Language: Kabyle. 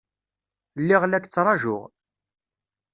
Lliɣ la k-ttṛajuɣ.